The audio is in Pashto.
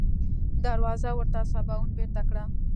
دروازه ورته سباوون بېرته کړه.